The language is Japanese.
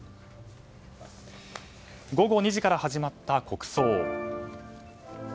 午後２時から始まった国葬。